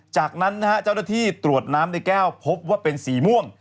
จากนั้นนะฮะเจ้าหน้าที่ตรวจน้ำในแก้วพบว่าเป็นสีม่วง